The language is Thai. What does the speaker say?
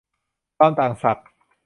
ความต่างศักย์